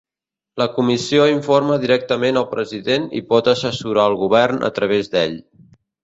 La comissió informa directament al president i pot assessorar el govern a través d'ell.